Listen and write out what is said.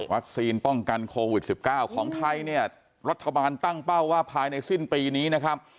ป้องกันโควิด๑๙ของไทยเนี่ยรัฐบาลตั้งเป้าว่าภายในสิ้นปีนี้นะครับ